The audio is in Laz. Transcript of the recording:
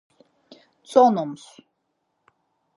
Tzonums.